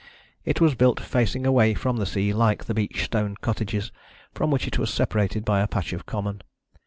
It was built facing away from the sea like the beach stone cottages, from which it was separated by a patch of common.